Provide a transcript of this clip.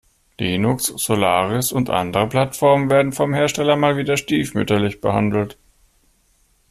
Linux, Solaris und andere Plattformen werden vom Hersteller mal wieder stiefmütterlich behandelt.